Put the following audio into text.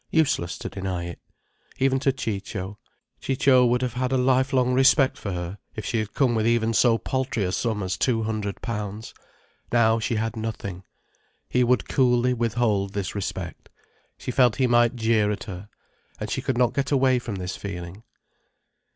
Useless to deny it. Even to Ciccio. Ciccio would have had a lifelong respect for her, if she had come with even so paltry a sum as two hundred pounds. Now she had nothing, he would coolly withhold this respect. She felt he might jeer at her. And she could not get away from this feeling.